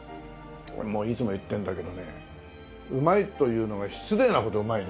もういつも言ってるんだけどねうまいと言うのが失礼なほどうまいね。